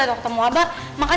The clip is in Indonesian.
bener terus kan